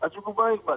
cukup baik pak